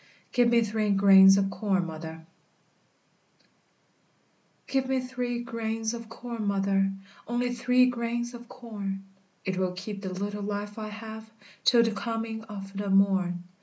GIVE ME THREE GRAINS OF CORN, MOTHER. THE IRISH FAMINE. Give me three grains of corn, mother, Only three grains of corn; It will keep the little life I have Till the coming of the morn.